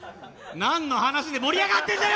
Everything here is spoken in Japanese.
何の話で盛り上がってんだよ